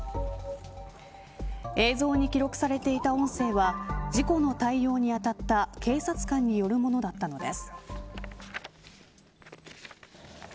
映像に記録されていた音声は事故の対応に当たった警察官によるものだったのです。